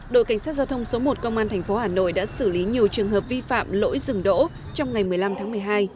đội cảnh sát giao thông số một công an tp hà nội đã xử lý nhiều trường hợp vi phạm lỗi dừng đỗ trong ngày một mươi năm tháng một mươi hai